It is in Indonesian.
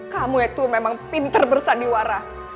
kamu itu memang pinter bersandiwara